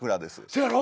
せやろ？